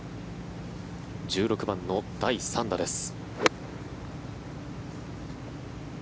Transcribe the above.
１６番の第３打です。